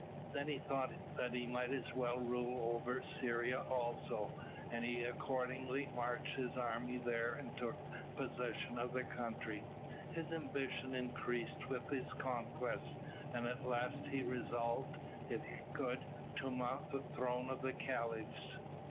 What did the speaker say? Then he thought that he might as well rule over Syria also, and he accordingly marched his army there and took possession of the country. His ambition increased with his conquests, and at last he resolved, if he could, to mount the throne of the caliphs.